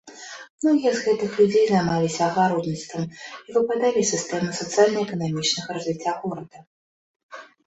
Многія з гэтых людзей займаліся агародніцтвам і выпадалі з сістэмы сацыяльна-эканамічнага развіцця горада.